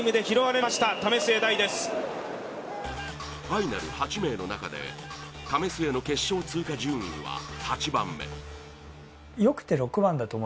ファイナル８名の中で為末の決勝通過順位は、８番目。